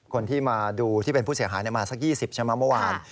คนที่มาดูที่เป็นผู้เสียหายมาสัก๒๐ใช่ไหมเมื่อวาน